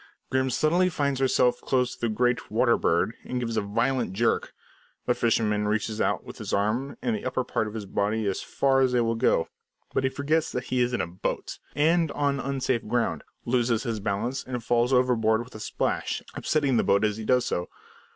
Grim suddenly finds herself close to the great "water bird," and gives a violent jerk. The fisherman reaches out with his arm, and the upper part of his body as far as they will go; but he forgets that he is in a boat and on unsafe ground, loses his balance, and falls overboard with a splash, upsetting the boat as he does so.